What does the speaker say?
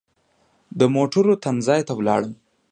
د موټرو تم ځای ته ولاړم.